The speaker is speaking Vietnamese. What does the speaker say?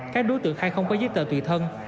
các đối tượng khai không có giấy tờ tùy thân